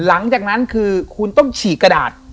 หลังจากนั้นคือคุณต้องฉีกกระดาษ